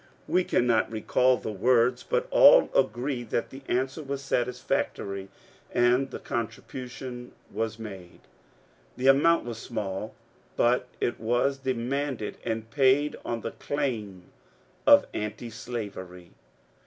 We cannot recall the words, but idl agree that the answer was satisfactory, and the contribution was made. The amount was small, but it was demanded and paid on the claim of Antislavery.